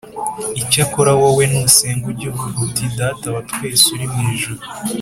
Icyakora wowe nusenga ujye uvuga uti data wa twese uri mmu ijuru